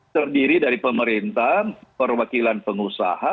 terdiri dari pemerintah perwakilan pengusaha